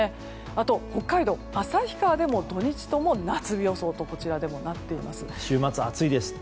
あと、北海道旭川でも土日とも夏日予想とこちらでもなっています。